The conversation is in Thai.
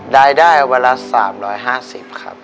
รายได้วันละ๓๕๐ครับ